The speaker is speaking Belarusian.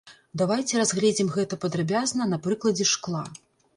Давайце разгледзім гэта падрабязна на прыкладзе шкла.